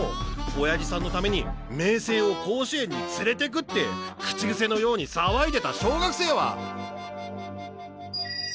親父さんのために明青を甲子園につれていくって口癖のようにさわいでた小学生は！